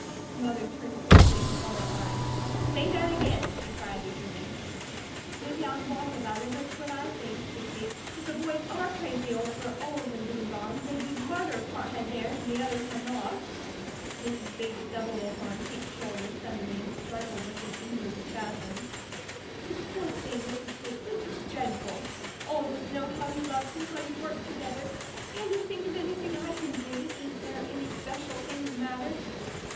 Her mother turned swiftly and caught her arm. "Say that again!" she cried eagerly. "Maybe I'm WRONG about it, but it's what I think," said Kate. "If the boys are crazy over all of them being gone, they'd do murder if part had theirs, and the others had not." Mrs. Bates doubled over on Kate's shoulder suddenly and struggled with an inward spasm. "You poor thing," said Kate. "This is dreadful. All of us know how you loved him, how you worked together. Can you think of anything I can do? Is there any special thing the matter?"